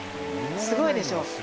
すごいでしょう？